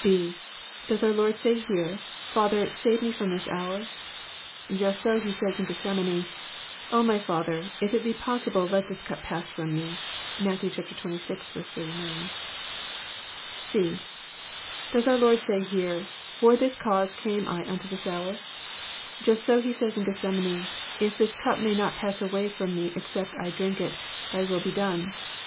(5) Does our Lord say here, '* Father, save Me f^om this iiour "? Just so he says in Gethsemane, O my Father, if it be possible, let this cup pass from Me." (Matt. xxvi. 89.) (c) Does our Lord say here, For this cause came I nnto this hour"? Just so he says in Gethsemane, " If this cup may not pass away from Me except I drink it, Thy will be done."